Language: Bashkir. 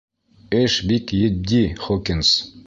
Эш бик етди, Хокинс.